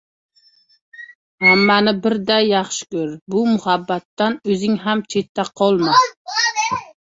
Hammani birday yaxshi ko‘r, bu muhabbatdan o‘zing ham chetda qolma.